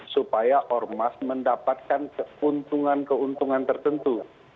supaya ormas mendapatkan keuntungan keuntungan tertentu